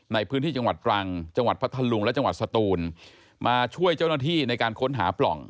ในพื้นที่จังหวัดตรังจังหวัดพัทธลุงและจังหวัดสตูนมาช่วยเจ้าหน้าที่ในการค้นหาปล่อง